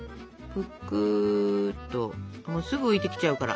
ぷくっとすぐ浮いてきちゃうから。